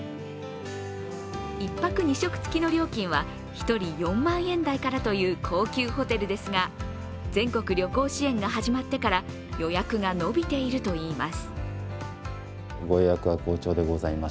１泊２食付きの料金は１人４万円台からという高級ホテルですが全国旅行支援が始まってから予約が伸びているといいます。